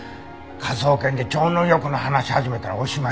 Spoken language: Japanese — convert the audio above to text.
科捜研で超能力の話始めたらおしまいだよ。